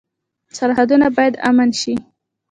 سرحدونه باید امن شي